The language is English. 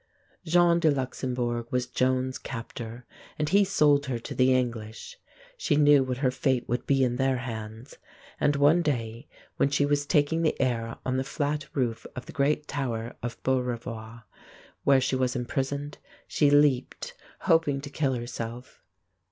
Jean de Luxembourg was Joan's captor, and he sold her to the English. She knew what her fate would be in their hands, and one day when she was taking the air on the flat roof of the great tower at Beaurevoir, (Bo re vwar), where she was imprisoned, she leaped, hoping to kill herself.